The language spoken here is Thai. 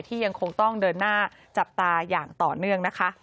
ยังคงต้องเดินหน้าจับตาอย่างต่อเนื่องนะคะ